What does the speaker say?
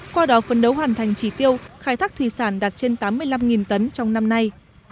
qua đó phân đấu hoàn thành chỉ tiêu khai thác thủy sản đạt trên tám mươi năm tấn trong năm nay